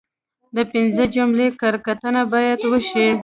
د پنځه جملې کره کتنه باید وشي.